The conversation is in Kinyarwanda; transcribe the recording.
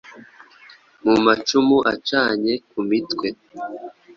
Mu macumu acanye kumitwe